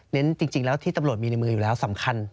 จริงแล้วที่ตำรวจมีในมืออยู่แล้วสำคัญ